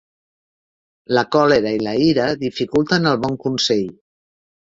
La còlera i la ira dificulten el bon consell.